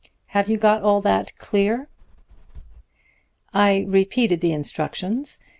Have you got all that clear?' "I repeated the instructions.